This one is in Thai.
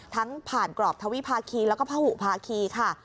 ผ่านกรอบทวิภาคีแล้วก็ผ้าหุภาคีค่ะ